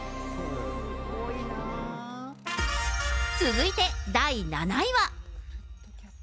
続いて第７位は。